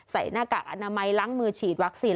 หน้ากากอนามัยล้างมือฉีดวัคซีน